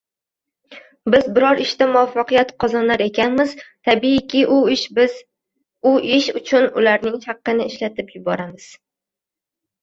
Biz biror ishda muvaffaqiyat qozonar ekanmiz, tabiiyki, u ish uchun ularning haqqini ishlatib yuboramiz.